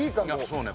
そうね。